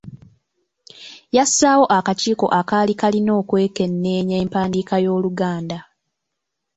Yassaawo akakiiko akaali kalina okwekenneenya empandiika y'Oluganda.